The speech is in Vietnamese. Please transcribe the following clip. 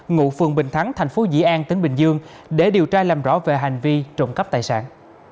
ngụ phường bình thắng thành phố dĩ an tỉnh bình dương để điều tra làm rõ về hành vi trộm cắp tài sản